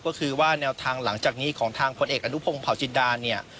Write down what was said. ก็คือว่าแนวทางหลังจากนี้ของทางพลเอกอนุพงศ์เผาจินดาเนี่ย